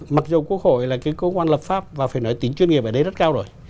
mặc dù quốc hội là cái cơ quan lập pháp và phải nói tính chuyên nghiệp ở đây rất cao rồi